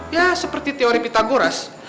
ya seperti teori pitagoras